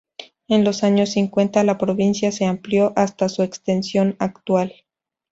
En los años cincuenta, la provincia se amplió hasta su extensión actual.